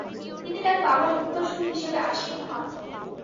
তিনি তাঁর বাবার উত্তরসূরি হিসেবে আসীন হন।